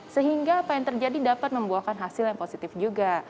sehingga apa yang terjadi dapat membuahkan hasil yang positif juga